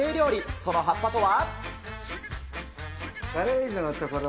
その葉っぱとは。